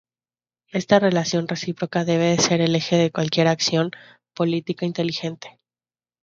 Esta relación recíproca debe ser el eje de cualquier acción política inteligente.